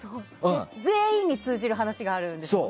全員に通じる話があるんですよね。